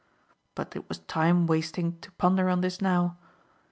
But it was time wasting to ponder on this now.